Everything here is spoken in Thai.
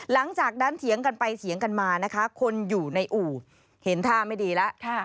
เถียงกันไปเถียงกันมานะคะคนอยู่ในอู่เห็นท่าไม่ดีแล้ว